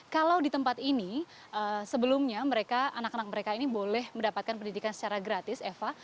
kalau di tempat ini sebelumnya mereka anak anak mereka ini boleh mendapatkan pendidikan secara gratis eva